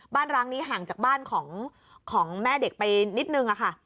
ร้างนี้ห่างจากบ้านของแม่เด็กไปนิดนึงค่ะ